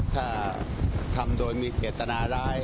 ถ้าทำโดยมีเจตนาร้าย